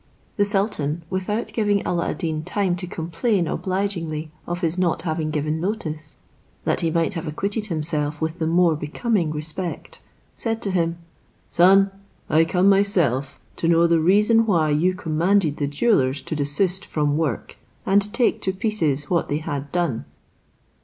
The sultan, without giving Alla ad Deen time to complain obligingly of his not having given notice, that he might have acquitted himself with the more becoming respect, said to him, "Son, I come myself to know the reason why you commanded the jewellers to desist from work, and take to pieces what they had done."